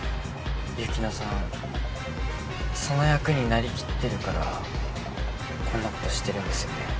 雪乃さんその役になりきってるからこんなことしてるんですよね。